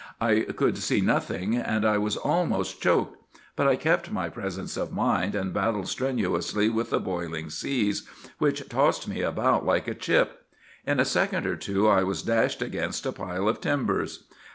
I could see nothing, and I was almost choked; but I kept my presence of mind, and battled strenuously with the boiling seas, which tossed me about like a chip. In a second or two I was dashed against a pile of timbers.